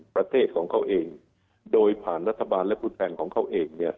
ประเทศของเขาเองโดยผ่านรัฐบาลและผู้แทนของเขาเองเนี่ย